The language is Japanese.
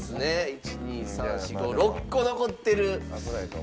１２３４５６個残ってる。